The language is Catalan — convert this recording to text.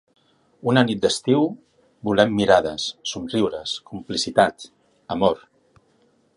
Una nit d’estiu volem mirades, somriures, complicitat, amor.